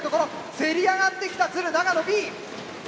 せり上がってきた鶴長野Ｂ。